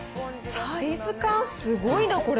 サイズ感すごいな、これ。